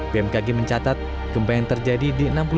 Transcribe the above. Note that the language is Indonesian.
bmkg mencatat gempa yang terjadi di enam puluh satu km timur